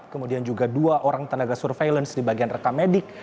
kemudian juga dua orang tenaga surveillance di bagian rekamedik